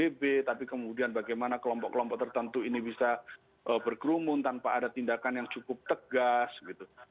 pbb tapi kemudian bagaimana kelompok kelompok tertentu ini bisa berkerumun tanpa ada tindakan yang cukup tegas gitu